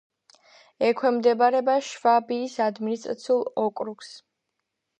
ექვემდებარება შვაბიის ადმინისტრაციულ ოკრუგს.